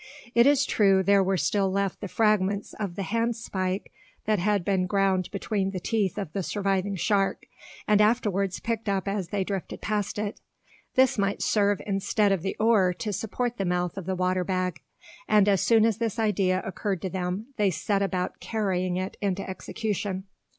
It is true there were still left the fragments of the hand spike that had been ground between the teeth of the surviving shark, and afterwards picked up as they drifted past it. This might serve instead of the oar to support the mouth of the water bag; and as soon as this idea occurred to them they set about carrying it into execution.